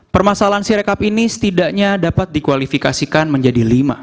permasalahan sirekap ini setidaknya dapat dikualifikasikan menjadi lima